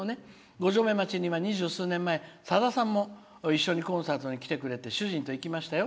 五城目町には二十数年前さださんも一緒にコンサートに来てくれて主人と行きましたよ。